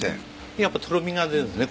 やっぱとろみが出るんですね